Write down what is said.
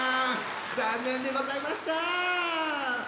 残念でございました。